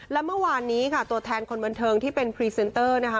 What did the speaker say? และเมื่อวานนี้ค่ะตัวแทนคนบันเทิงที่เป็นพรีเซนเตอร์นะคะ